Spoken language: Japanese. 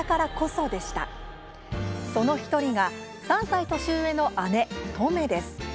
その１人が、３歳年上の姉乙女です。